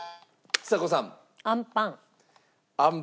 ちさ子さん。